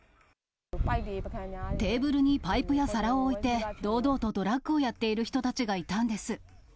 テーブルにパイプや皿を置いて、堂々とドラッグをやっている人たちがいたんです。